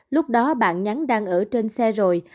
lúc đó bạn nhắn đang ở trên xe rồi